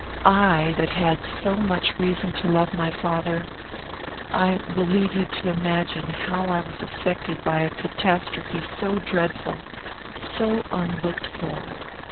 "I, that had so much reason to love my father, I will leave you to imagine how I was affected by a catastrophe so dreadful, so unlooked for.